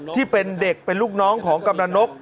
ที่เป็นเด็กเป็นลูกน้องของกำลังนก